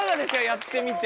やってみて。